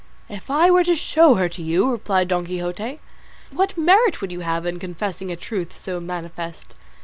"If I were to show her to you," replied Don Quixote, "what merit would you have in confessing a truth so manifest?